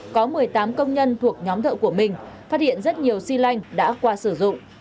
có một mươi tám công nhân thuộc nhóm thợ của mình phát hiện rất nhiều xi lanh đã qua sử dụng